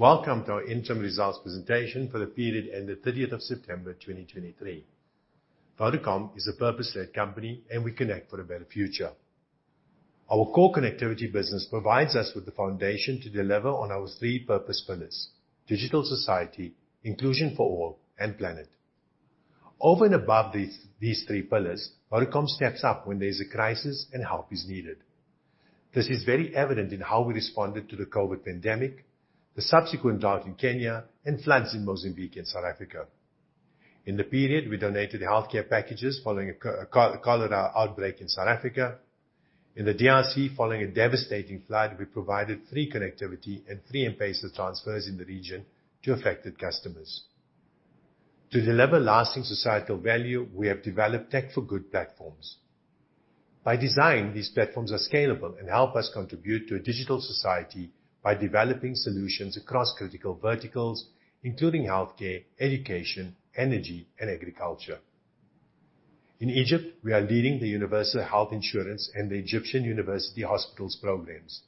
Welcome to our interim results presentation for the period ended 30th of September, 2023. Vodacom is a purpose-led company, and we connect for a better future. Our core connectivity business provides us with the foundation to deliver on our 3 purpose pillars: Digital Society, Inclusion for All, and Planet. Over and above these 3 pillars, Vodacom steps up when there's a crisis and help is needed. This is very evident in how we responded to the COVID pandemic, the subsequent drought in Kenya, and floods in Mozambique and South Africa. In the period, we donated healthcare packages following a cholera outbreak in South Africa. In the DRC, following a devastating flood, we provided free connectivity and free M-PESA transfers in the region to affected customers. To deliver lasting societal value, we have developed Tech for Good platforms. By design, these platforms are scalable and help us contribute to a Digital Society by developing solutions across critical verticals, including healthcare, education, energy, and agriculture. In Egypt, we are leading the Universal Health Insurance and the Egyptian University Hospitals programs.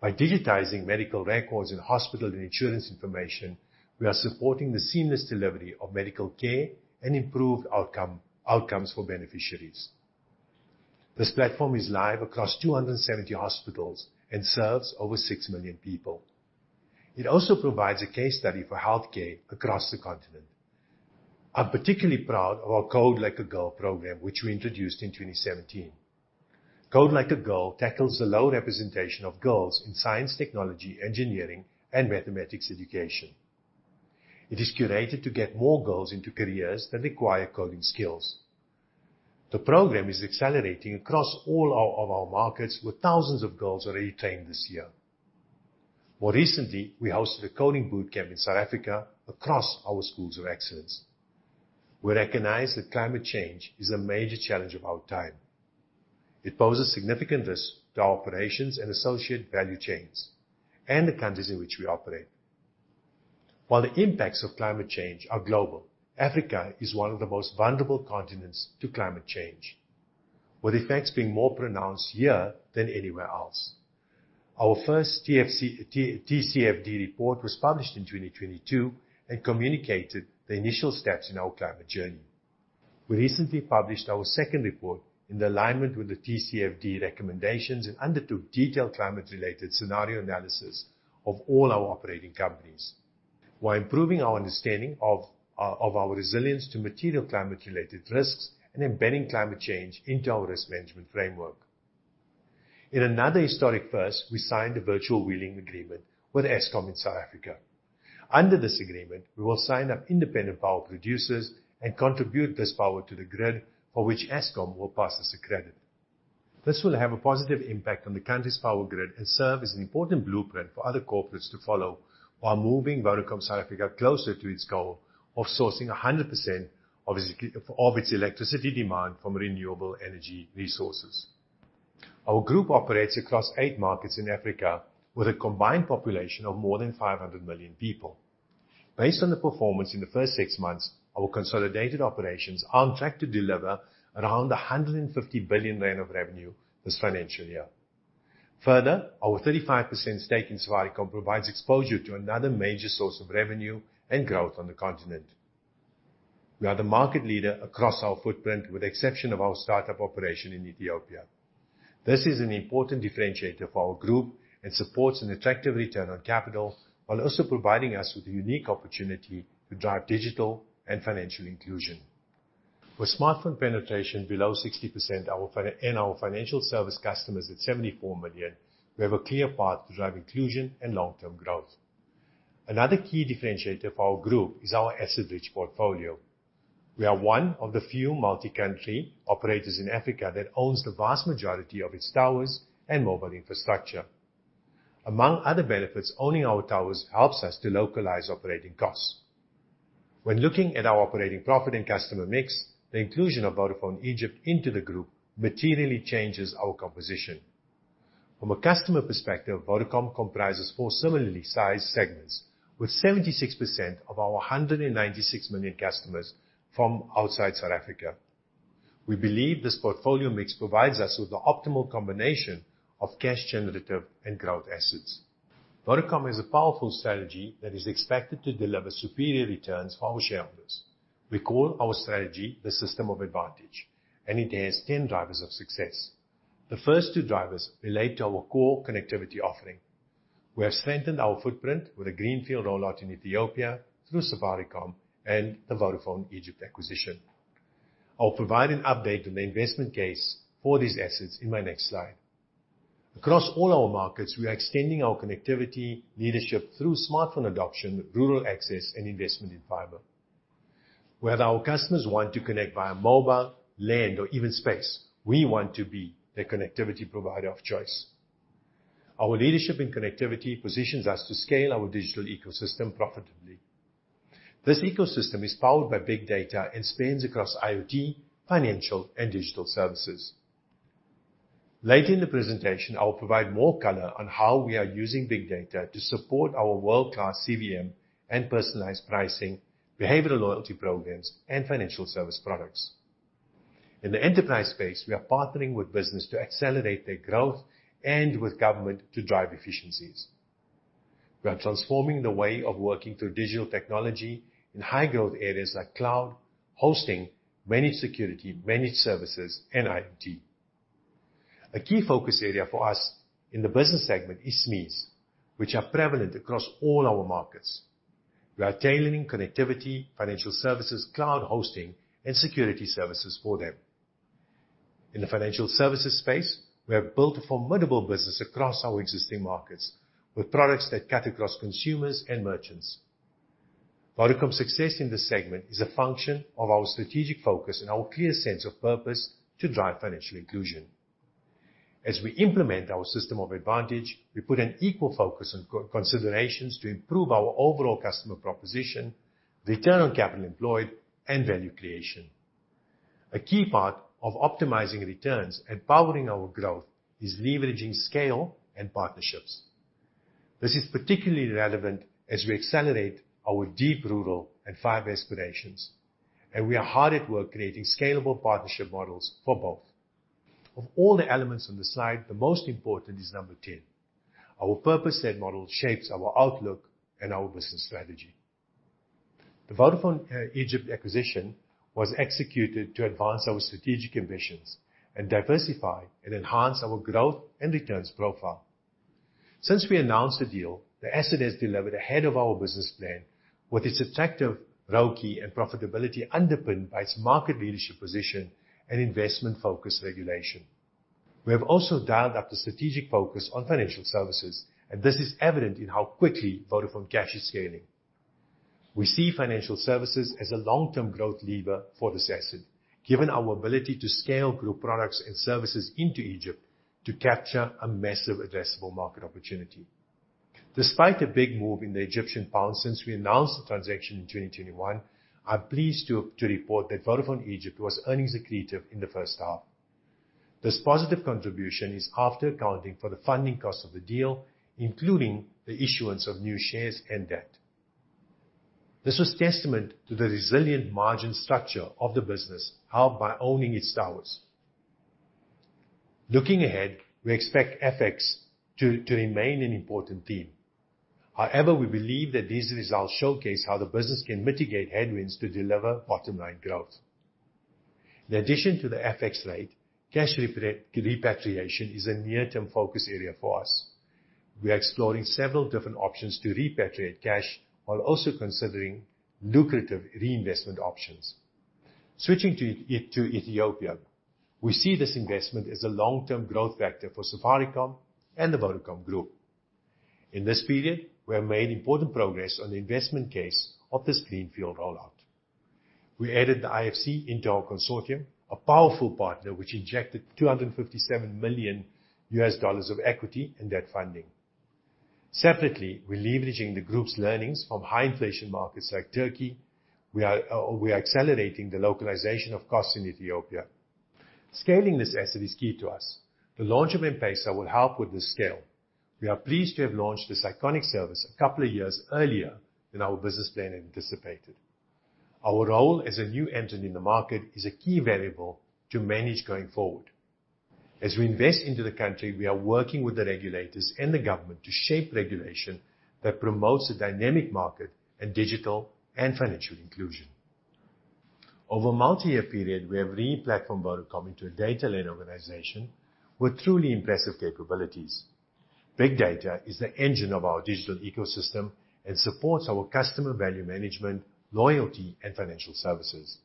By digitizing medical records in hospital and insurance information, we are supporting the seamless delivery of medical care and improved outcome, outcomes for beneficiaries. This platform is live across 270 hospitals and serves over 6 million people. It also provides a case study for healthcare across the continent. I'm particularly proud of our Code Like a Girl program, which we introduced in 2017. Code Like a Girl tackles the low representation of girls in science, technology, engineering, and mathematics education. It is curated to get more girls into careers that require coding skills. The program is accelerating across all of our markets, with thousands of girls already trained this year. More recently, we hosted a coding boot camp in South Africa across our Schools of Excellence. We recognize that climate change is a major challenge of our time. It poses significant risk to our operations and associate value chains and the countries in which we operate. While the impacts of climate change are global, Africa is one of the most vulnerable continents to climate change, with effects being more pronounced here than anywhere else. Our first TCFD report was published in 2022 and communicated the initial steps in our climate journey. We recently published our second report in alignment with the TCFD recommendations and undertook detailed climate-related scenario analysis of all our operating companies, while improving our understanding of our resilience to material climate-related risks and embedding climate change into our risk management framework. In another historic first, we signed a Virtual Wheeling agreement with Eskom in South Africa. Under this agreement, we will sign up independent power producers and contribute this power to the grid, for which Eskom will pass us a credit. This will have a positive impact on the country's power grid and serve as an important blueprint for other corporates to follow while moving Vodacom South Africa closer to its goal of sourcing 100% of its electricity demand from renewable energy resources. Our group operates across eight markets in Africa, with a combined population of more than 500 million people. Based on the performance in the first six months, our consolidated operations are on track to deliver around 150 billion rand of revenue this financial year. Further, our 35% stake in Safaricom provides exposure to another major source of revenue and growth on the continent. We are the market leader across our footprint, with the exception of our startup operation in Ethiopia. This is an important differentiator for our group and supports an attractive return on capital, while also providing us with a unique opportunity to drive digital and financial inclusion. With smartphone penetration below 60%, our financial services and our financial service customers at 74 million, we have a clear path to drive inclusion and long-term growth. Another key differentiator for our group is our asset-rich portfolio. We are one of the few multi-country operators in Africa that owns the vast majority of its towers and mobile infrastructure. Among other benefits, owning our towers helps us to localize operating costs. When looking at our operating profit and customer mix, the inclusion of Vodafone Egypt into the group materially changes our composition. From a customer perspective, Vodacom comprises four similarly sized segments, with 76% of our 196 million customers from outside South Africa. We believe this portfolio mix provides us with the optimal combination of cash generative and growth assets. Vodacom has a powerful strategy that is expected to deliver superior returns for our shareholders. We call our strategy the System of Advantage, and it has 10 drivers of success. The first two drivers relate to our core connectivity offering. We have strengthened our footprint with a greenfield rollout in Ethiopia through Safaricom and the Vodafone Egypt acquisition. I'll provide an update on the investment case for these assets in my next slide. Across all our markets, we are extending our connectivity leadership through smartphone adoption, rural access, and investment in fiber. Whether our customers want to connect via mobile, land, or even space, we want to be their connectivity provider of choice. Our leadership in connectivity positions us to scale our digital ecosystem profitably. This ecosystem is powered by big data and spans across IoT, financial, and digital services. Later in the presentation, I will provide more color on how we are using big data to support our world-class CVM and personalized pricing, behavioral loyalty programs, and financial service products.... In the enterprise space, we are partnering with business to accelerate their growth and with government to drive efficiencies. We are transforming the way of working through digital technology in high-growth areas like cloud, hosting, managed security, managed services, and IoT. A key focus area for us in the business segment is SMEs, which are prevalent across all our markets. We are tailoring connectivity, financial services, cloud hosting, and security services for them. In the financial services space, we have built a formidable business across our existing markets, with products that cut across consumers and merchants. Vodacom's success in this segment is a function of our strategic focus and our clear sense of purpose to drive financial inclusion. As we implement our System of Advantage, we put an equal focus on core considerations to improve our overall customer proposition, return on capital employed, and value creation. A key part of optimizing returns and powering our growth is leveraging scale and partnerships. This is particularly relevant as we accelerate our deep rural and fiber aspirations, and we are hard at work creating scalable partnership models for both. Of all the elements on the slide, the most important is number ten. Our purpose and model shapes our outlook and our business strategy. The Vodafone Egypt acquisition was executed to advance our strategic ambitions and diversify and enhance our growth and returns profile. Since we announced the deal, the asset has delivered ahead of our business plan with its attractive ROCE and profitability, underpinned by its market leadership position and investment-focused regulation. We have also dialed up the strategic focus on financial services, and this is evident in how quickly Vodafone Cash is scaling. We see financial services as a long-term growth lever for this asset, given our ability to scale group products and services into Egypt to capture a massive addressable market opportunity. Despite a big move in the Egyptian pound since we announced the transaction in 2021, I'm pleased to report that Vodafone Egypt was earnings accretive in the first half. This positive contribution is after accounting for the funding cost of the deal, including the issuance of new shares and debt. This was testament to the resilient margin structure of the business, helped by owning its towers. Looking ahead, we expect FX to remain an important theme. However, we believe that these results showcase how the business can mitigate headwinds to deliver bottom-line growth. In addition to the FX rate, cash repatriation is a near-term focus area for us. We are exploring several different options to repatriate cash, while also considering lucrative reinvestment options. Switching to Ethiopia, we see this investment as a long-term growth factor for Safaricom and the Vodacom Group. In this period, we have made important progress on the investment case of this greenfield rollout. We added the IFC into our consortium, a powerful partner, which injected $257 million of equity in that funding. Separately, we're leveraging the group's learnings from high inflation markets like Turkey. We are accelerating the localization of costs in Ethiopia. Scaling this asset is key to us. The launch of M-PESA will help with the scale. We are pleased to have launched this iconic service a couple of years earlier than our business plan anticipated. Our role as a new entrant in the market is a key variable to manage going forward. As we invest into the country, we are working with the regulators and the government to shape regulation that promotes a dynamic market and digital and financial inclusion. Over a multi-year period, we have re-platformed Vodacom into a data-led organization with truly impressive capabilities. Big data is the engine of our digital ecosystem and supports our customer value management, loyalty, and financial services.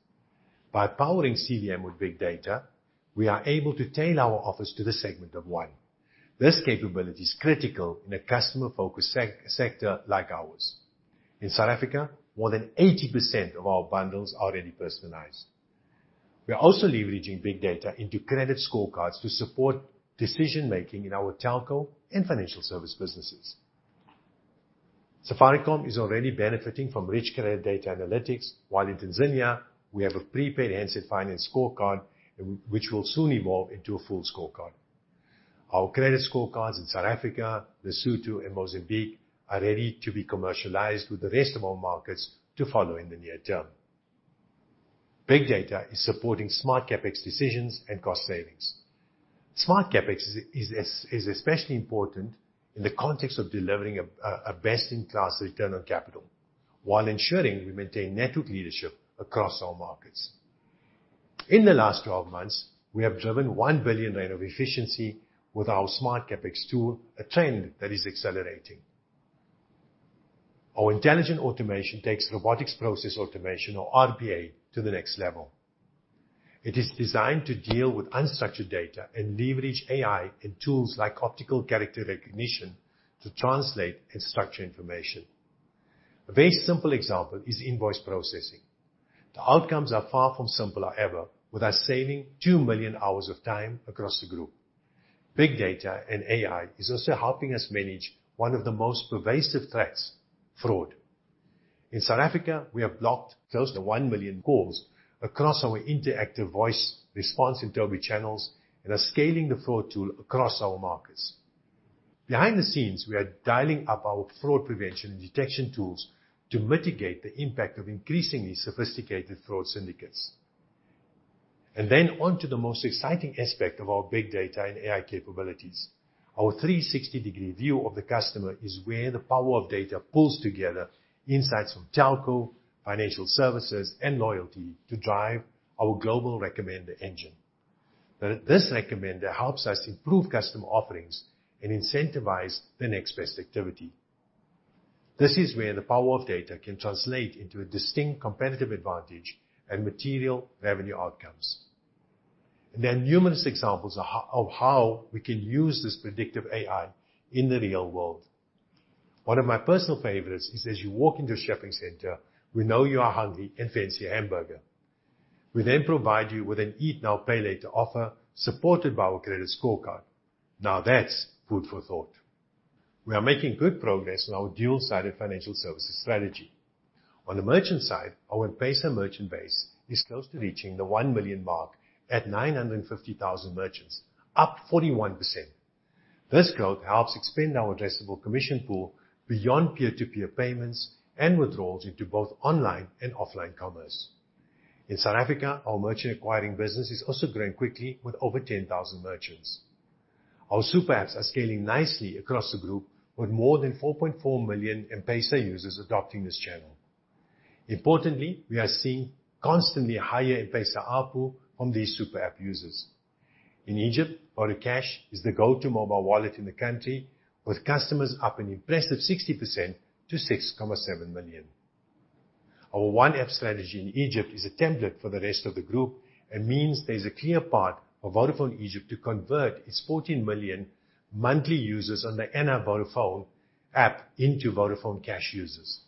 By powering CVM with big data, we are able to tailor our offers to the segment of one. This capability is critical in a customer-focused sector like ours. In South Africa, more than 80% of our bundles are already personalized. We are also leveraging big data into credit scorecards to support decision-making in our telco and financial service businesses. Safaricom is already benefiting from rich credit data analytics, while in Tanzania, we have a prepaid handset finance scorecard, which will soon evolve into a full scorecard. Our credit scorecards in South Africa, Lesotho, and Mozambique are ready to be commercialized, with the rest of our markets to follow in the near term. Big data is supporting smart CapEx decisions and cost savings. Smart CapEx is especially important in the context of delivering a best-in-class return on capital, while ensuring we maintain network leadership across all markets. In the last 12 months, we have driven 1 billion rand of efficiency with our Smart CapEx tool, a trend that is accelerating. Our intelligent automation takes robotic process automation, or RPA, to the next level. It is designed to deal with unstructured data and leverage AI and tools like optical character recognition to translate and structure information. A very simple example is invoice processing. The outcomes are far from simple, however, with us saving 2 million hours of time across the group. Big data and AI is also helping us manage one of the most pervasive threats: fraud. In South Africa, we have blocked close to 1 million calls across our interactive voice response and TOBi channels and are scaling the fraud tool across our markets. Behind the scenes, we are dialing up our fraud prevention and detection tools to mitigate the impact of increasingly sophisticated fraud syndicates. And then on to the most exciting aspect of our big data and AI capabilities. Our 360-degree view of the customer is where the power of data pulls together insights from telco, financial services, and loyalty to drive our global recommender engine. But this recommender helps us improve customer offerings and incentivize the next best activity. This is where the power of data can translate into a distinct competitive advantage and material revenue outcomes. There are numerous examples of how we can use this predictive AI in the real world. One of my personal favorites is, as you walk into a shopping center, we know you are hungry and fancy a hamburger. We then provide you with an eat now, pay later offer, supported by our credit scorecard. Now, that's food for thought. We are making good progress on our dual-sided financial services strategy. On the merchant side, our M-PESA merchant base is close to reaching the one million mark at 950,000 merchants, up 41%. This growth helps expand our addressable commission pool beyond peer-to-peer payments and withdrawals into both online and offline commerce. In South Africa, our merchant acquiring business is also growing quickly with over 10,000 merchants. Our super apps are scaling nicely across the group, with more than 4.4 million M-PESA users adopting this channel. Importantly, we are seeing constantly higher M-PESA ARPU from these super app users. In Egypt, Vodafone Cash is the go-to mobile wallet in the country, with customers up an impressive 60% to 6.7 million. Our OneApp strategy in Egypt is a template for the rest of the group and means there's a clear path for Vodafone Egypt to convert its 14 million monthly users on the Ana Vodafone app into Vodafone Cash users.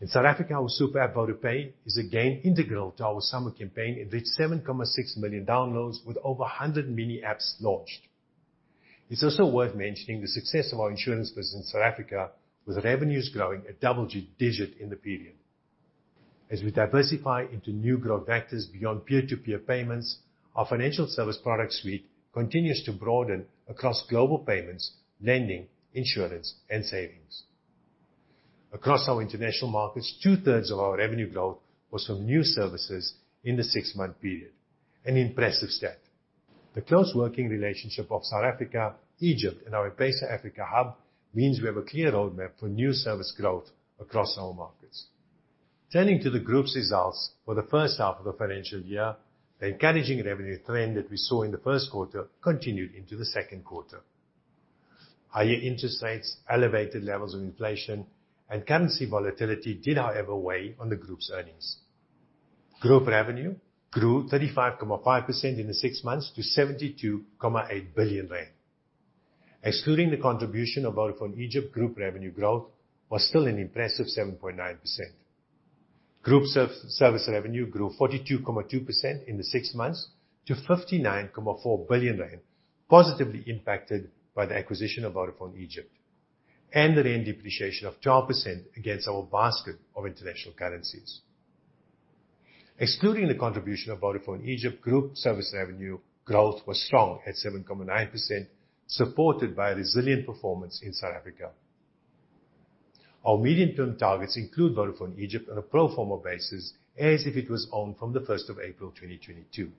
In South Africa, our super app, VodaPay, is again integral to our summer campaign and reached 7.6 million downloads with over 100 mini apps launched. It's also worth mentioning the success of our insurance business in South Africa, with revenues growing at double-digit in the period. As we diversify into new growth vectors beyond peer-to-peer payments, our financial service product suite continues to broaden across global payments, lending, insurance, and savings. Across our international markets, two-thirds of our revenue growth was from new services in the six-month period. An impressive stat. The close working relationship of South Africa, Egypt, and our M-PESA Africa hub means we have a clear roadmap for new service growth across our markets. Turning to the group's results for the first half of the financial year, the encouraging revenue trend that we saw in the first quarter continued into the second quarter. Higher interest rates, elevated levels of inflation, and currency volatility did, however, weigh on the group's earnings. Group revenue grew 35.5% in the six months to 72.8 billion rand. Excluding the contribution of Vodafone Egypt, group revenue growth was still an impressive 7.9%. Group service revenue grew 42.2% in the six months to 59.4 billion rand, positively impacted by the acquisition of Vodafone Egypt and the rand depreciation of 12% against our basket of international currencies. Excluding the contribution of Vodafone Egypt, group service revenue growth was strong at 7.9%, supported by a resilient performance in South Africa. Our medium-term targets include Vodafone Egypt on a pro forma basis, as if it was owned from the first of April 2022.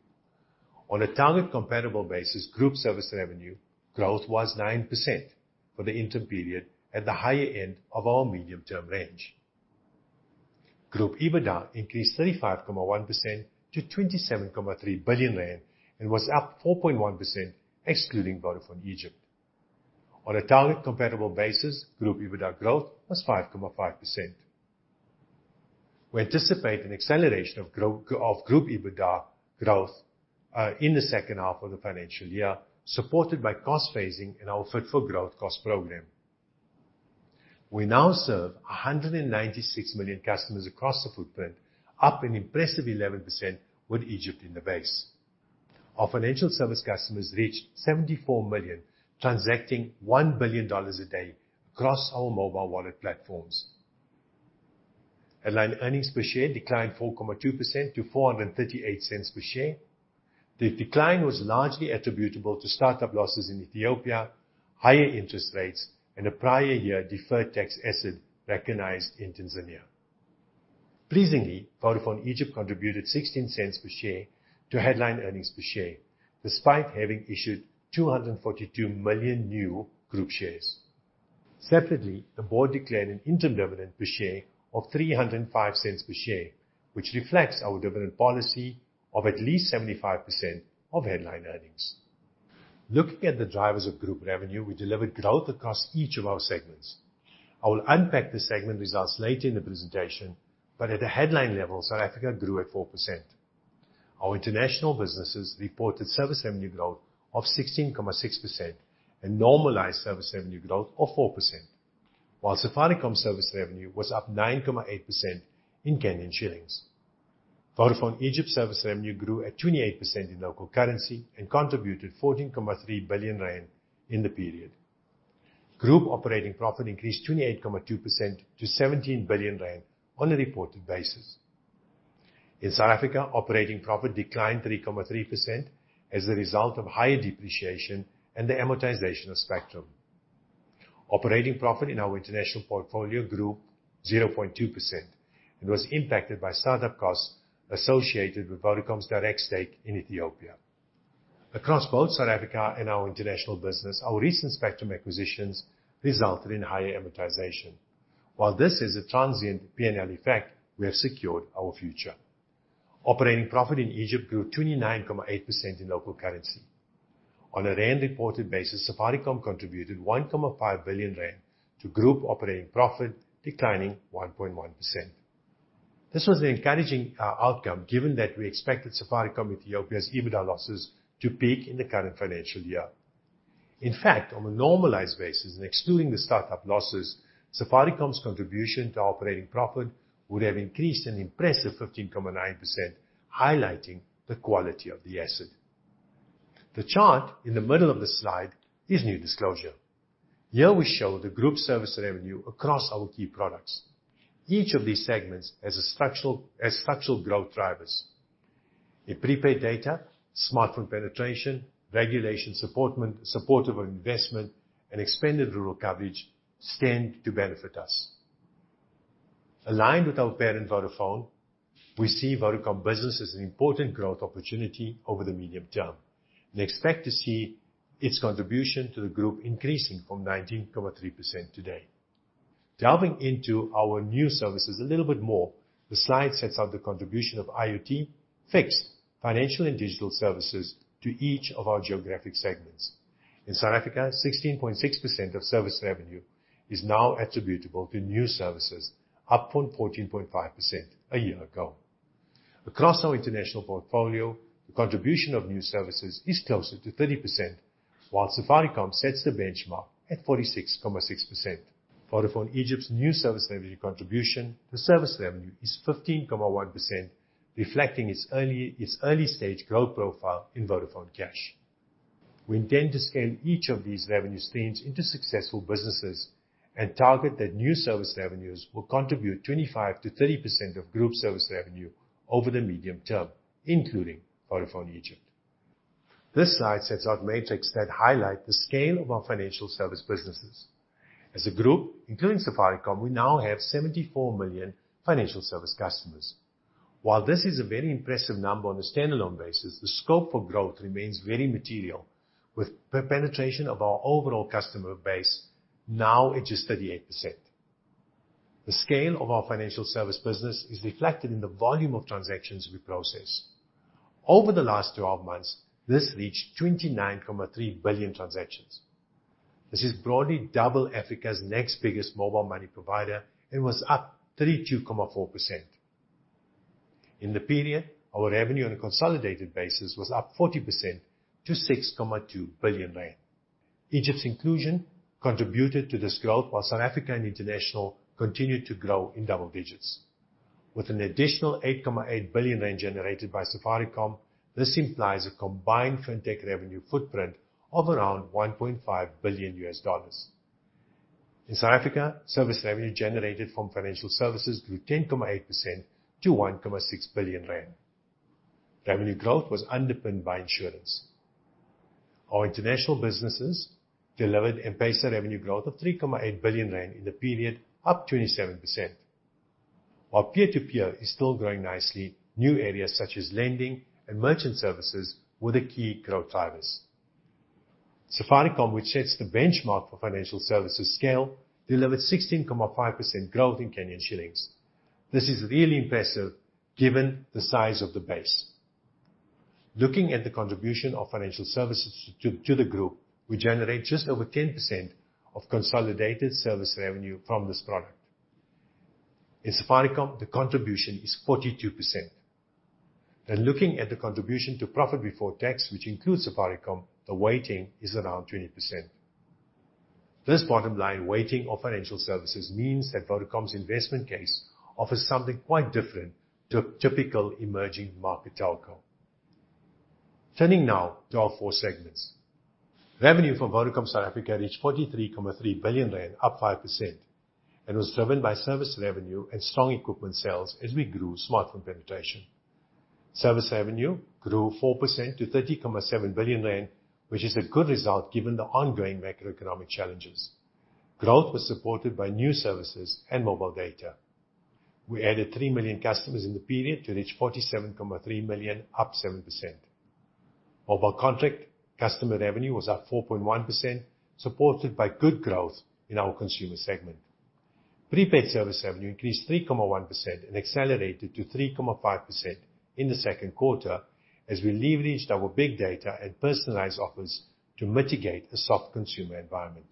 On a target-comparable basis, group service revenue growth was 9% for the interim period at the higher end of our medium-term range. Group EBITDA increased 35.1% to 27.3 billion rand and was up 4.1%, excluding Vodafone Egypt. On a target-comparable basis, group EBITDA growth was 5.5%. We anticipate an acceleration of Group EBITDA growth in the second half of the financial year, supported by cost phasing and our Fit for Growth cost program. We now serve 196 million customers across the footprint, up an impressive 11% with Egypt in the base. Our financial service customers reached 74 million, transacting $1 billion a day across our mobile wallet platforms. Headline earnings per share declined 4.2% to 4.38 per share. The decline was largely attributable to start-up losses in Ethiopia, higher interest rates, and a prior year deferred tax asset recognized in Tanzania. Pleasingly, Vodafone Egypt contributed 0.16 per share to headline earnings per share, despite having issued 242 million new group shares. Separately, the board declared an interim dividend per share of 3.05 per share, which reflects our dividend policy of at least 75% of headline earnings. Looking at the drivers of group revenue, we delivered growth across each of our segments. I will unpack the segment results later in the presentation, but at a headline level, South Africa grew at 4%. Our international businesses reported service revenue growth of 16.6% and normalized service revenue growth of 4%, while Safaricom service revenue was up 9.8% in KES. Vodafone Egypt service revenue grew at 28% in local currency and contributed 14.3 billion rand in the period. Group operating profit increased 28.2% to 17 billion rand on a reported basis. In South Africa, operating profit declined 3.3% as a result of higher depreciation and the amortization of spectrum. Operating profit in our international portfolio grew 0.2%, and was impacted by startup costs associated with Vodacom's direct stake in Ethiopia. Across both South Africa and our international business, our recent spectrum acquisitions resulted in higher amortization. While this is a transient P&L effect, we have secured our future. Operating profit in Egypt grew 29.8% in local currency. On a rand reported basis, Safaricom contributed 1.5 billion rand to group operating profit, declining 1.1%. This was an encouraging outcome, given that we expected Safaricom in Ethiopia's EBITDA losses to peak in the current financial year. In fact, on a normalized basis and excluding the startup losses, Safaricom's contribution to operating profit would have increased an impressive 15.9%, highlighting the quality of the asset. The chart in the middle of the slide is new disclosure. Here we show the group service revenue across our key products. Each of these segments has structural growth drivers. In prepaid data, smartphone penetration, regulatory environment supportive of investment, and expanded rural coverage stand to benefit us. Aligned with our parent, Vodafone, we see Vodacom Business as an important growth opportunity over the medium term, and expect to see its contribution to the group increasing from 19.3% today. Delving into our new services a little bit more, the slide sets out the contribution of IoT, fixed, financial and digital services to each of our geographic segments. In South Africa, 16.6% of service revenue is now attributable to new services, up from 14.5% a year ago. Across our international portfolio, the contribution of new services is closer to 30%, while Safaricom sets the benchmark at 46.6%. Vodafone Egypt's new service revenue contribution to service revenue is 15.1%, reflecting its early, its early stage growth profile in Vodafone Cash. We intend to scale each of these revenue streams into successful businesses, and target that new service revenues will contribute 25%-30% of group service revenue over the medium term, including Vodafone Egypt. This slide sets out metrics that highlight the scale of our financial service businesses. As a group, including Safaricom, we now have 74 million financial service customers. While this is a very impressive number on a standalone basis, the scope for growth remains very material, with penetration of our overall customer base now at just 38%. The scale of our financial service business is reflected in the volume of transactions we process. Over the last twelve months, this reached 29.3 billion transactions. This is broadly double Africa's next biggest mobile money provider, and was up 32.4%. In the period, our revenue on a consolidated basis was up 40% to 6.2 billion rand. Egypt's inclusion contributed to this growth, while South Africa and International continued to grow in double digits. With an additional 8.8 billion rand generated by Safaricom, this implies a combined fintech revenue footprint of around $1.5 billion. In South Africa, service revenue generated from financial services grew 10.8% to 1.6 billion rand. Revenue growth was underpinned by insurance. Our international businesses delivered M-PESA revenue growth of 3.8 billion rand in the period, up 27%. While peer-to-peer is still growing nicely, new areas such as lending and merchant services were the key growth drivers. Safaricom, which sets the benchmark for financial services scale, delivered 16.5% growth in Kenyan shillings. This is really impressive given the size of the base. Looking at the contribution of financial services to the group, we generate just over 10% of consolidated service revenue from this product. In Safaricom, the contribution is 42%. Then looking at the contribution to profit before tax, which includes Safaricom, the weighting is around 20%. This bottom line weighting of financial services means that Vodacom's investment case offers something quite different to a typical emerging market telco. Turning now to our 4 segments. Revenue for Vodacom South Africa reached 43.3 billion rand, up 5%, and was driven by service revenue and strong equipment sales as we grew smartphone penetration. Service revenue grew 4% to 30.7 billion rand, which is a good result given the ongoing macroeconomic challenges. Growth was supported by new services and mobile data. We added 3 million customers in the period to reach 47.3 million, up 7%. Mobile contract customer revenue was up 4.1%, supported by good growth in our consumer segment. Prepaid service revenue increased 3.1% and accelerated to 3.5% in the second quarter, as we leveraged our big data and personalized offers to mitigate a soft consumer environment.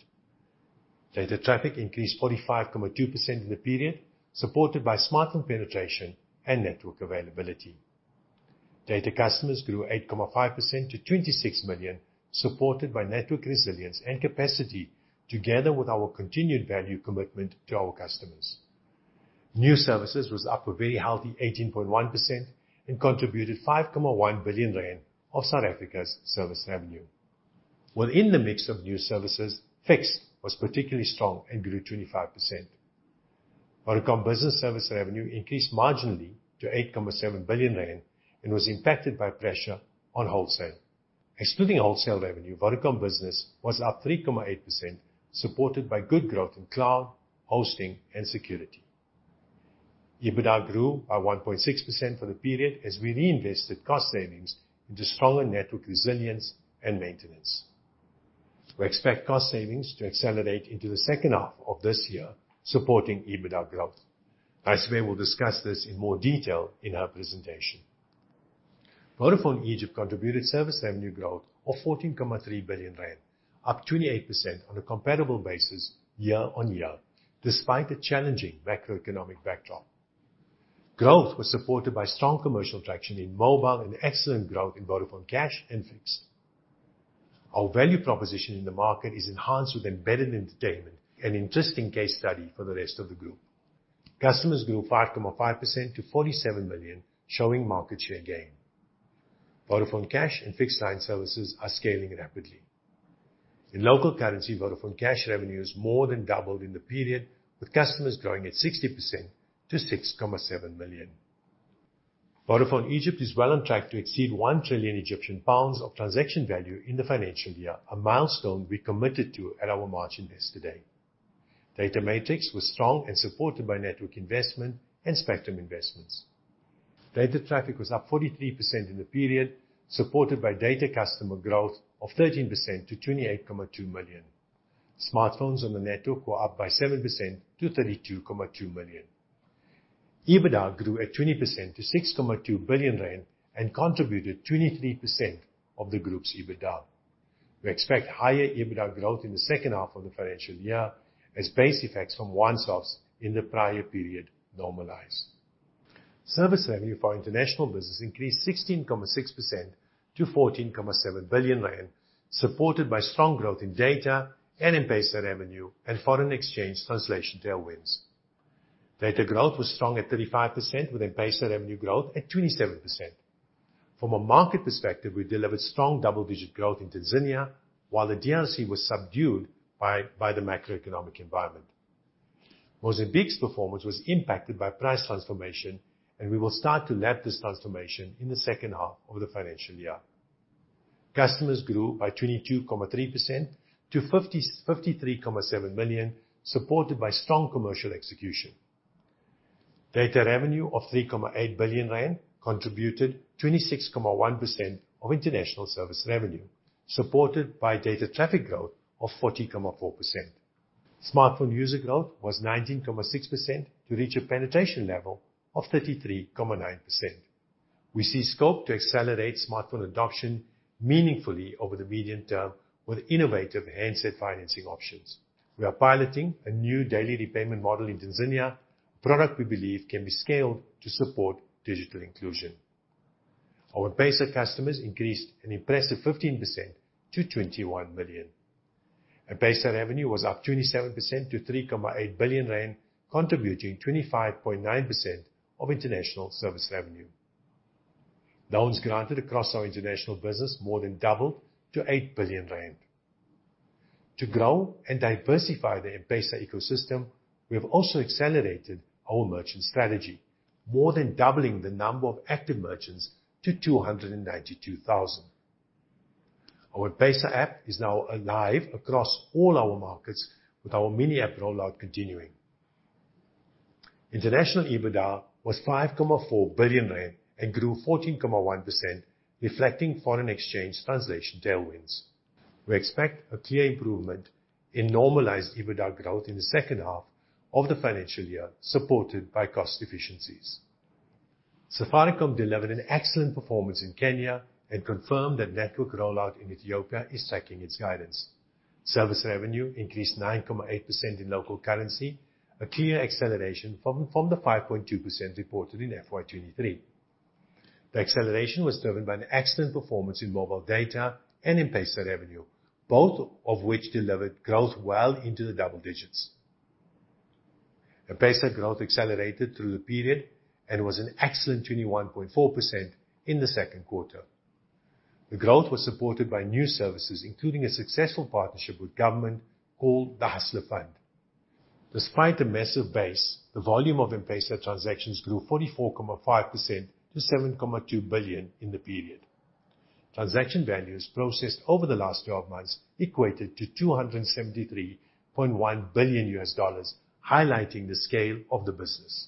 Data traffic increased 45.2% in the period, supported by smartphone penetration and network availability. Data customers grew 8.5% to 26 million, supported by network resilience and capacity, together with our continued value commitment to our customers. New services was up a very healthy 18.1% and contributed 5.1 billion rand of South Africa's service revenue. Within the mix of new services, fixed was particularly strong and grew 25%. Vodacom Business service revenue increased marginally to 8.7 billion rand, and was impacted by pressure on wholesale. Excluding wholesale revenue, Vodacom Business was up 3.8%, supported by good growth in cloud, hosting, and security. EBITDA grew by 1.6% for the period as we reinvested cost savings into stronger network resilience and maintenance. We expect cost savings to accelerate into the second half of this year, supporting EBITDA growth. Raisibe will discuss this in more detail in her presentation. Vodafone Egypt contributed service revenue growth of 14.3 billion rand, up 28% on a comparable basis year-on-year, despite the challenging macroeconomic backdrop. Growth was supported by strong commercial traction in mobile and excellent growth in Vodafone Cash and Fixed. Our value proposition in the market is enhanced with embedded entertainment, an interesting case study for the rest of the group. Customers grew 5.5% to 47 million, showing market share gain. Vodafone Cash and fixed-line services are scaling rapidly. In local currency, Vodafone Cash revenue has more than doubled in the period, with customers growing at 60% to 6.7 million. Vodafone Egypt is well on track to exceed 1 trillion Egyptian pounds of transaction value in the financial year, a milestone we committed to at our March Investor Day. Data metrics was strong and supported by network investment and spectrum investments. Data traffic was up 43% in the period, supported by data customer growth of 13% to 28.2 million. Smartphones on the network were up by 7% to 32.2 million. EBITDA grew at 20% to 6.2 billion rand and contributed 23% of the group's EBITDA. We expect higher EBITDA growth in the second half of the financial year, as base effects from one-offs in the prior period normalize. Service revenue for international business increased 16.6% to 14.7 billion rand, supported by strong growth in data and M-PESA revenue and foreign exchange translation tailwinds. Data growth was strong at 35%, with M-PESA revenue growth at 27%. From a market perspective, we delivered strong double-digit growth in Tanzania, while the DRC was subdued by the macroeconomic environment. Mozambique's performance was impacted by price transformation, and we will start to lap this transformation in the second half of the financial year. Customers grew by 22.3% to 53.7 million, supported by strong commercial execution. Data revenue of 3.8 billion rand contributed 26.1% of international service revenue, supported by data traffic growth of 44%. Smartphone user growth was 19.6%, to reach a penetration level of 33.9%. We see scope to accelerate smartphone adoption meaningfully over the medium term with innovative handset financing options. We are piloting a new daily repayment model in Tanzania, a product we believe can be scaled to support digital inclusion. Our M-PESA customers increased an impressive 15% to 21 million, and M-PESA revenue was up 27% to 3.8 billion rand, contributing 25.9% of international service revenue. Loans granted across our international business more than doubled to 8 billion rand. To grow and diversify the M-PESA ecosystem, we have also accelerated our merchant strategy, more than doubling the number of active merchants to 292,000. Our M-PESA app is now alive across all our markets, with our mini app rollout continuing. International EBITDA was 5.4 billion rand and grew 14.1%, reflecting foreign exchange translation tailwinds. We expect a clear improvement in normalized EBITDA growth in the second half of the financial year, supported by cost efficiencies. Safaricom delivered an excellent performance in Kenya and confirmed that network rollout in Ethiopia is tracking its guidance. Service revenue increased 9.8% in local currency, a clear acceleration from the 5.2% reported in FY 2023. The acceleration was driven by an excellent performance in mobile data and M-PESA revenue, both of which delivered growth well into the double digits. M-PESA growth accelerated through the period and was an excellent 21.4% in the second quarter. The growth was supported by new services, including a successful partnership with government called the Hustler Fund. Despite the massive base, the volume of M-PESA transactions grew 44.5% to 7.2 billion in the period. Transaction values processed over the last twelve months equated to $273.1 billion, highlighting the scale of the business.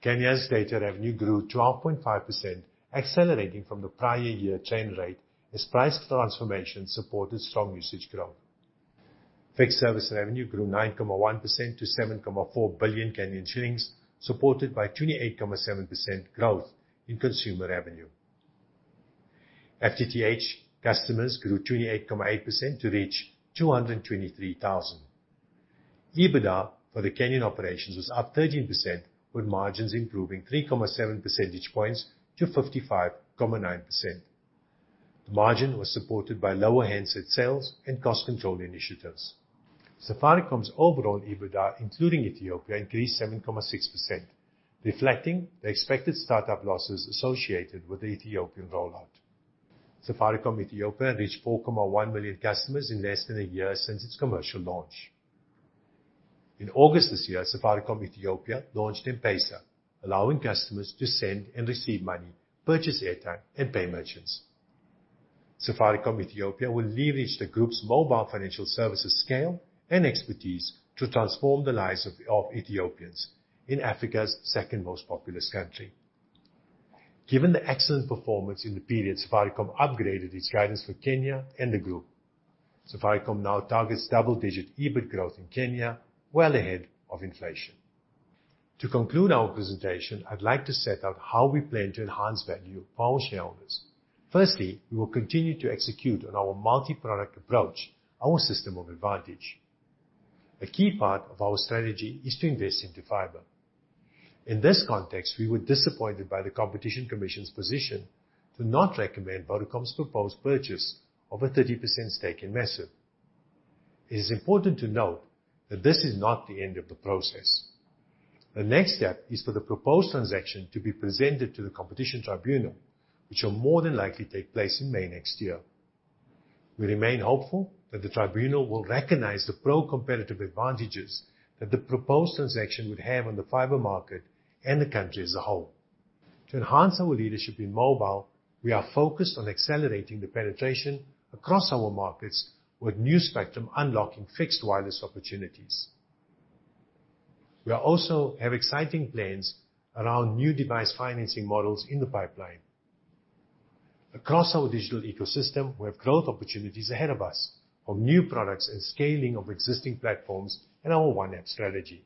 Kenya's data revenue grew 12.5%, accelerating from the prior year trend rate as price transformation supported strong usage growth. Fixed service revenue grew 9.1% to 7.4 billion shillings, supported by 28.7% growth in consumer revenue. FTTH customers grew 28.8% to reach 223,000. EBITDA for the Kenyan operations was up 13%, with margins improving 3.7 percentage points to 55.9%. The margin was supported by lower handset sales and cost control initiatives. Safaricom's overall EBITDA, including Ethiopia, increased 7.6%, reflecting the expected startup losses associated with the Ethiopian rollout. Safaricom Ethiopia reached 4.1 million customers in less than a year since its commercial launch. In August this year, Safaricom Ethiopia launched M-PESA, allowing customers to send and receive money, purchase airtime, and pay merchants. Safaricom Ethiopia will leverage the group's mobile financial services scale and expertise to transform the lives of Ethiopians in Africa's second most populous country. Given the excellent performance in the period, Safaricom upgraded its guidance for Kenya and the group. Safaricom now targets double-digit EBIT growth in Kenya, well ahead of inflation. To conclude our presentation, I'd like to set out how we plan to enhance value for our shareholders. Firstly, we will continue to execute on our multi-product approach, our System of Advantage. A key part of our strategy is to invest into fiber. In this context, we were disappointed by the Competition Commission's position to not recommend Vodacom's proposed purchase of a 30% stake in Maziv. It is important to note that this is not the end of the process. The next step is for the proposed transaction to be presented to the Competition Tribunal, which will more than likely take place in May next year. We remain hopeful that the tribunal will recognize the pro-competitive advantages that the proposed transaction would have on the fiber market and the country as a whole. To enhance our leadership in mobile, we are focused on accelerating the penetration across our markets with new spectrum, unlocking fixed wireless opportunities. We also have exciting plans around new device financing models in the pipeline. Across our digital ecosystem, we have growth opportunities ahead of us for new products and scaling of existing platforms in our OneApp strategy.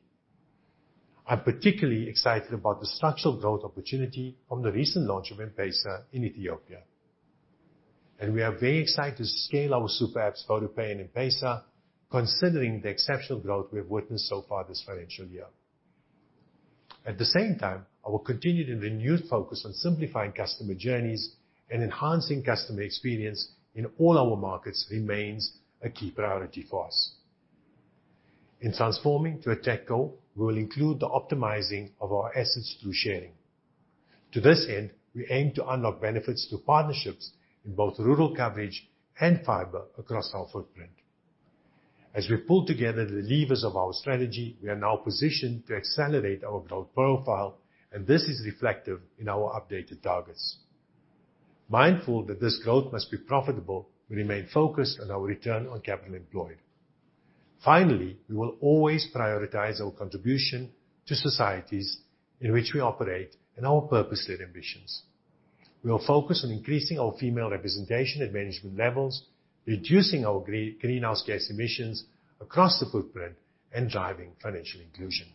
I'm particularly excited about the structural growth opportunity from the recent launch of M-PESA in Ethiopia, and we are very excited to scale our super apps, VodaPay and M-PESA, considering the exceptional growth we have witnessed so far this financial year. At the same time, our continued and renewed focus on simplifying customer journeys and enhancing customer experience in all our markets remains a key priority for us. In transforming to a TechCo, we will include the optimizing of our assets through sharing. To this end, we aim to unlock benefits to partnerships in both rural coverage and fiber across our footprint. As we pull together the levers of our strategy, we are now positioned to accelerate our growth profile, and this is reflective in our updated targets. Mindful that this growth must be profitable, we remain focused on our return on capital employed. Finally, we will always prioritize our contribution to societies in which we operate and our purpose-led ambitions. We will focus on increasing our female representation at management levels, reducing our greenhouse gas emissions across the footprint, and driving financial inclusion.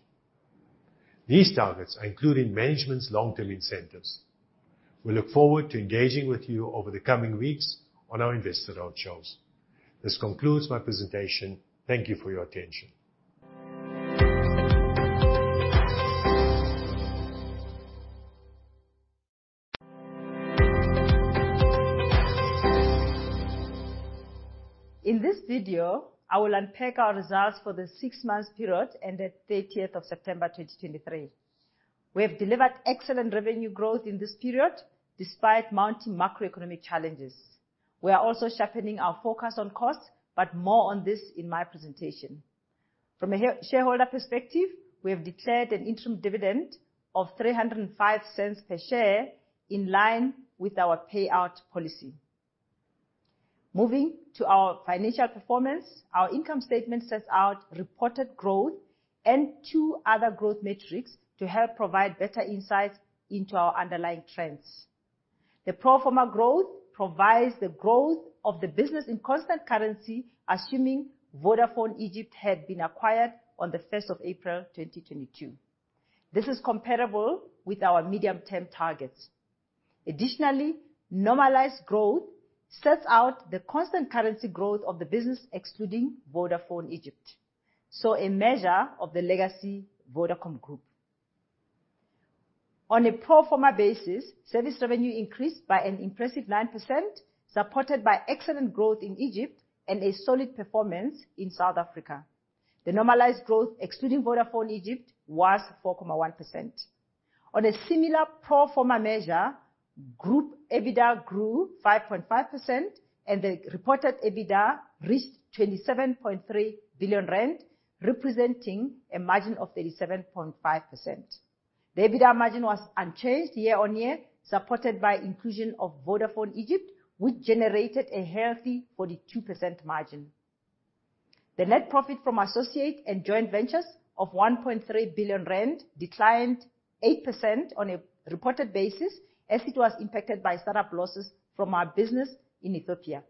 These targets are included in management's long-term incentives. We look forward to engaging with you over the coming weeks on our investor roadshows. This concludes my presentation. Thank you for your attention. In this video, I will unpack our results for the six months period ended 30th of September, 2023. We have delivered excellent revenue growth in this period, despite mounting macroeconomic challenges. We are also sharpening our focus on costs, but more on this in my presentation. From a shareholder perspective, we have declared an interim dividend of 3.05 per share in line with our payout policy. Moving to our financial performance, our income statement sets out reported growth and two other growth metrics to help provide better insights into our underlying trends. The pro forma growth provides the growth of the business in constant currency, assuming Vodafone Egypt had been acquired on the 1st of April, 2022. This is comparable with our medium-term targets. Additionally, normalized growth sets out the constant currency growth of the business, excluding Vodafone Egypt, so a measure of the legacy Vodacom group. On a pro forma basis, service revenue increased by an impressive 9%, supported by excellent growth in Egypt and a solid performance in South Africa. The normalized growth, excluding Vodafone Egypt, was 4.1%. On a similar pro forma measure, group EBITDA grew 5.5%, and the reported EBITDA reached 27.3 billion rand, representing a margin of 37.5%. The EBITDA margin was unchanged year-on-year, supported by inclusion of Vodafone Egypt, which generated a healthy 42% margin. The net profit from associate and joint ventures of 1.3 billion rand declined 8% on a reported basis, as it was impacted by startup losses from our business in Ethiopia.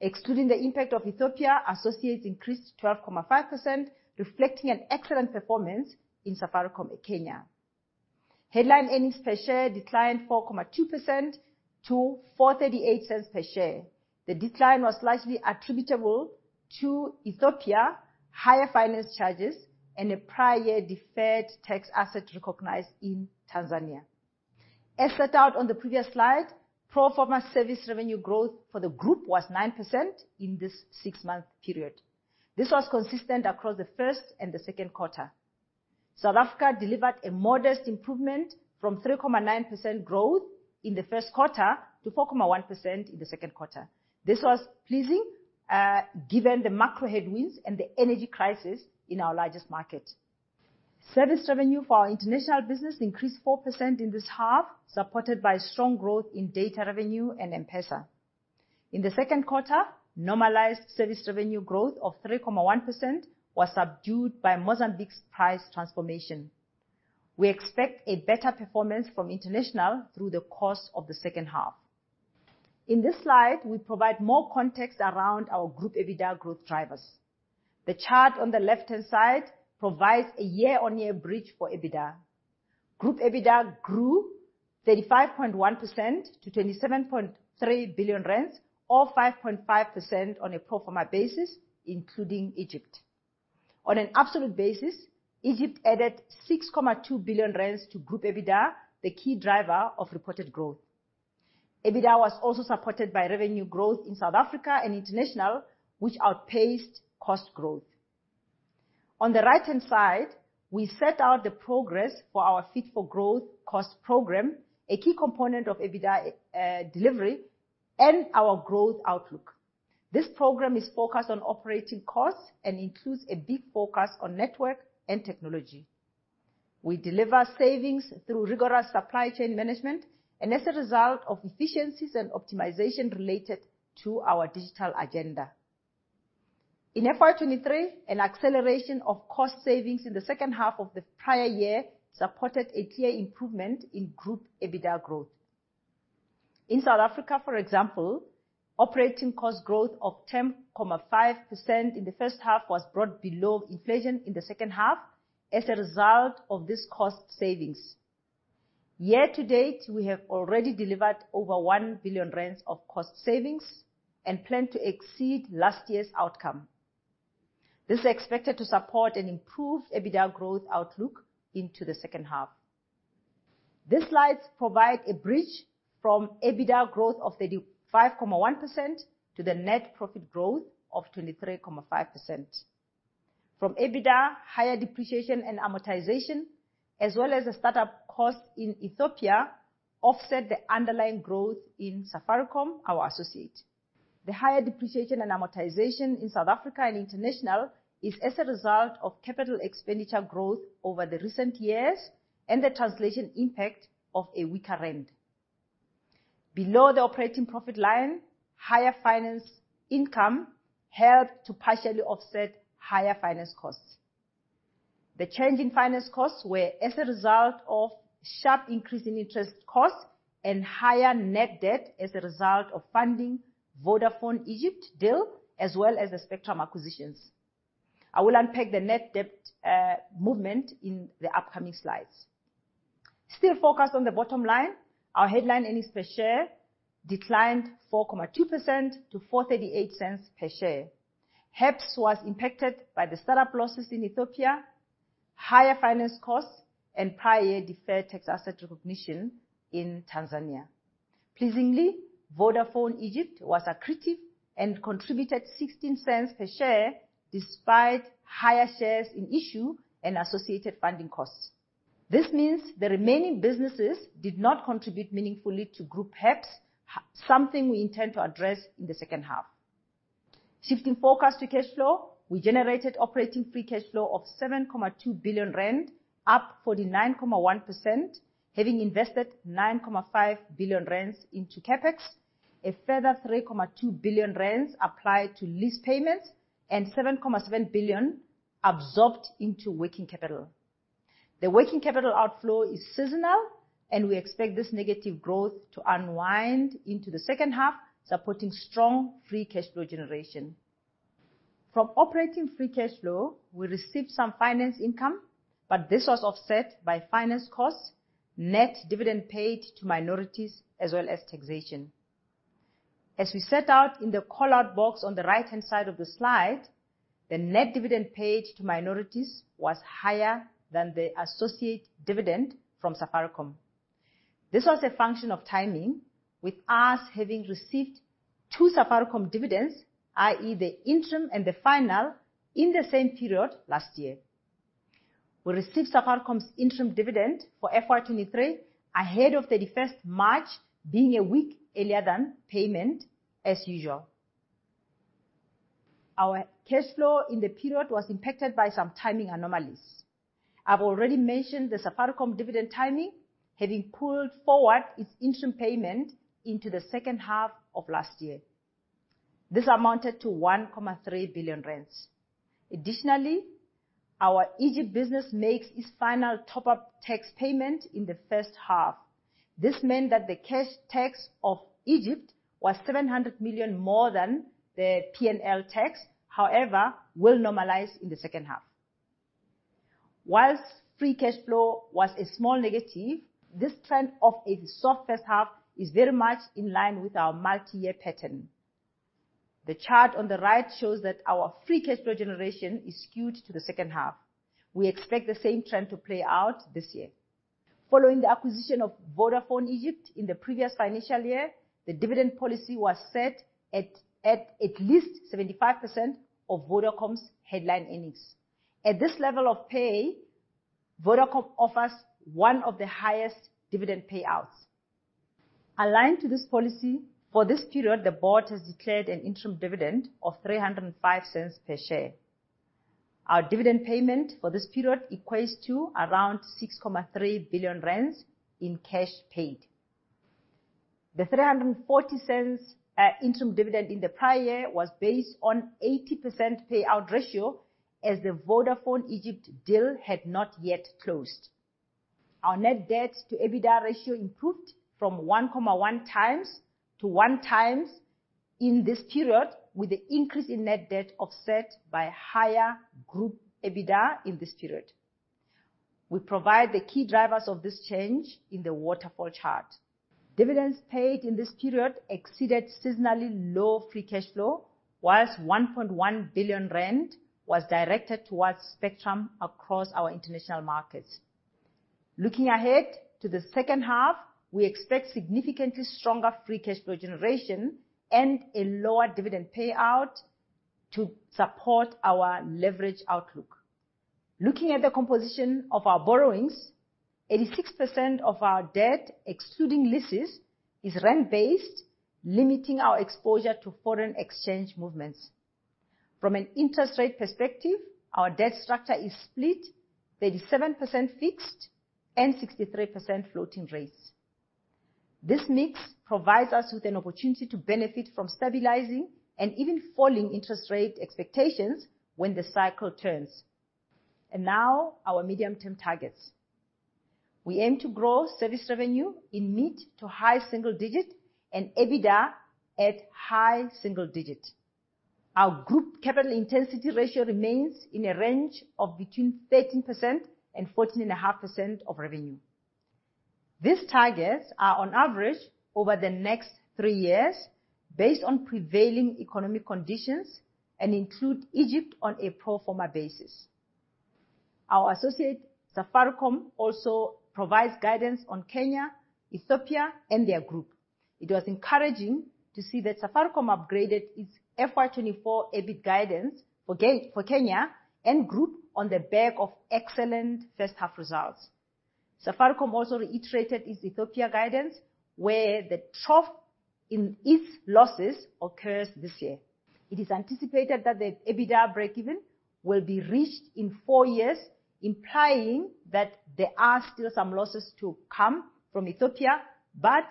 Excluding the impact of Ethiopia, associates increased 12.5%, reflecting an excellent performance in Safaricom, Kenya. Headline earnings per share declined 4.2% to 4.38 per share. The decline was largely attributable to Ethiopia, higher finance charges, and a prior deferred tax asset recognized in Tanzania. As set out on the previous slide, pro forma service revenue growth for the group was 9% in this six-month period. This was consistent across the first and the second quarter. South Africa delivered a modest improvement from 3.9% growth in the first quarter to 4.1% in the second quarter. This was pleasing, given the macro headwinds and the energy crisis in our largest market. Service revenue for our international business increased 4% in this half, supported by strong growth in data revenue and M-PESA. In the second quarter, normalized service revenue growth of 3.1% was subdued by Mozambique's price transformation. We expect a better performance from international through the course of the second half. In this slide, we provide more context around our group EBITDA growth drivers. The chart on the left-hand side provides a year-on-year bridge for EBITDA. Group EBITDA grew 35.1% to 27.3 billion rand, or 5.5% on a pro forma basis, including Egypt. On an absolute basis, Egypt added 6.2 billion rand to group EBITDA, the key driver of reported growth. EBITDA was also supported by revenue growth in South Africa and international, which outpaced cost growth. On the right-hand side, we set out the progress for our Fit for Growth cost program, a key component of EBITDA delivery and our growth outlook. This program is focused on operating costs and includes a big focus on network and technology. We deliver savings through rigorous supply chain management, and as a result of efficiencies and optimization related to our digital agenda. In FY 2023, an acceleration of cost savings in the second half of the prior year supported a tier improvement in group EBITDA growth. In South Africa, for example, operating cost growth of 10.5% in the first half was brought below inflation in the second half as a result of this cost savings. Year to date, we have already delivered over 1 billion rand of cost savings and plan to exceed last year's outcome. This is expected to support an improved EBITDA growth outlook into the second half. These slides provide a bridge from EBITDA growth of 35.1% to the net profit growth of 23.5%. From EBITDA, higher depreciation and amortization, as well as the startup cost in Ethiopia, offset the underlying growth in Safaricom, our associate. The higher depreciation and amortization in South Africa and international is as a result of capital expenditure growth over the recent years and the translation impact of a weaker rand. Below the operating profit line, higher finance income helped to partially offset higher finance costs. The change in finance costs were as a result of sharp increase in interest costs and higher net debt as a result of funding Vodafone Egypt deal, as well as the spectrum acquisitions. I will unpack the net debt movement in the upcoming slides. Still focused on the bottom line, our headline earnings per share declined 4.2% to 438 cents per share. HEPS was impacted by the startup losses in Ethiopia, higher finance costs, and prior year deferred tax asset recognition in Tanzania. Pleasingly, Vodafone Egypt was accretive and contributed 16 cents per share, despite higher shares in issue and associated funding costs. This means the remaining businesses did not contribute meaningfully to Group HEPS, we intend to address in the second half. Shifting focus to cash flow, we generated operating free cash flow of 7.2 billion rand, up 49.1%, having invested 9.5 billion rand into CapEx, a further 3.2 billion rand applied to lease payments, and 7.7 billion absorbed into working capital. The working capital outflow is seasonal, and we expect this negative growth to unwind into the second half, supporting strong free cash flow generation. From operating free cash flow, we received some finance income, but this was offset by finance costs, net dividend paid to minorities, as well as taxation. As we set out in the call-out box on the right-hand side of the slide, the net dividend paid to minorities was higher than the associate dividend from Safaricom. This was a function of timing, with us having received two Safaricom dividends, i.e., the interim and the final, in the same period last year. We received Safaricom's interim dividend for FY 2023 ahead of the 31st March, being a week earlier than payment as usual. Our cash flow in the period was impacted by some timing anomalies. I've already mentioned the Safaricom dividend timing, having pulled forward its interim payment into the second half of last year. This amounted to 1.3 billion rand. Additionally, our Egypt business makes its final top-up tax payment in the first half. This meant that the cash tax of Egypt was 700 million more than the P&L tax, however, will normalize in the second half. While free cash flow was a small negative, this trend of a soft first half is very much in line with our multi-year pattern... The chart on the right shows that our free cash flow generation is skewed to the second half. We expect the same trend to play out this year. Following the acquisition of Vodafone Egypt in the previous financial year, the dividend policy was set at at least 75% of Vodacom's headline earnings. At this level of pay, Vodacom offers one of the highest dividend payouts. Aligned to this policy, for this period, the board has declared an interim dividend of 305 cents per share. Our dividend payment for this period equates to around 6.3 billion rand in cash paid. The 340 cents interim dividend in the prior year was based on 80% payout ratio, as the Vodafone Egypt deal had not yet closed. Our net debt to EBITDA ratio improved from 1.1x to 1x in this period, with the increase in net debt offset by higher group EBITDA in this period. We provide the key drivers of this change in the waterfall chart. Dividends paid in this period exceeded seasonally low free cash flow, whilst 1.1 billion rand was directed towards spectrum across our international markets. Looking ahead to the second half, we expect significantly stronger free cash flow generation and a lower dividend payout to support our leverage outlook. Looking at the composition of our borrowings, 86% of our debt, excluding leases, is rand-based, limiting our exposure to foreign exchange movements. From an interest rate perspective, our debt structure is split 37% fixed and 63% floating rates. This mix provides us with an opportunity to benefit from stabilizing and even falling interest rate expectations when the cycle turns. Now, our medium-term targets. We aim to grow service revenue in mid- to high-single-digit and EBITDA at high-single-digit. Our group capital intensity ratio remains in a range of between 13%-14.5% of revenue. These targets are on average over the next three years, based on prevailing economic conditions and include Egypt on a pro forma basis. Our associate, Safaricom, also provides guidance on Kenya, Ethiopia, and their group. It was encouraging to see that Safaricom upgraded its FY 2024 EBIT guidance for Kenya and Group on the back of excellent first half results. Safaricom also reiterated its Ethiopia guidance, where the trough in its losses occurs this year. It is anticipated that the EBITDA breakeven will be reached in four years, implying that there are still some losses to come from Ethiopia, but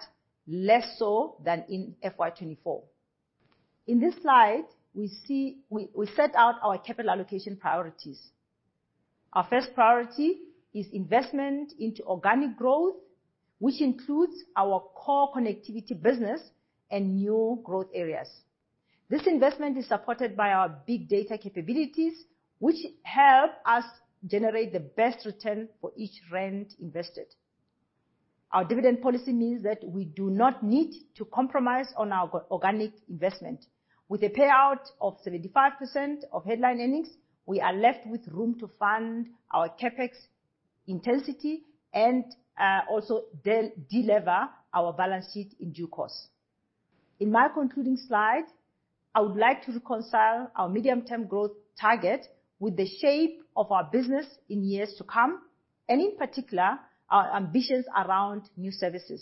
less so than in FY 2024. In this slide, we see. We set out our capital allocation priorities. Our first priority is investment into organic growth, which includes our core connectivity business and new growth areas. This investment is supported by our big data capabilities, which help us generate the best return for each rand invested. Our dividend policy means that we do not need to compromise on our organic investment. With a payout of 75% of headline earnings, we are left with room to fund our CapEx intensity and also delever our balance sheet in due course. In my concluding slide, I would like to reconcile our medium-term growth target with the shape of our business in years to come, and in particular, our ambitions around new services.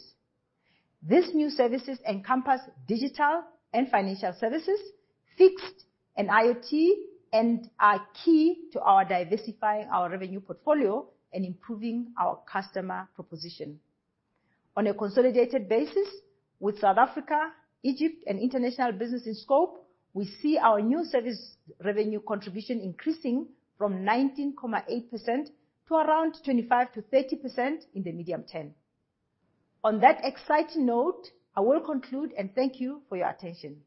These new services encompass digital and financial services, fixed and IoT, and are key to our diversifying our revenue portfolio and improving our customer proposition. On a consolidated basis, with South Africa, Egypt and international business in scope, we see our new service revenue contribution increasing from 19.8% to around 25%-30% in the medium term. On that exciting note, I will conclude and thank you for your attention.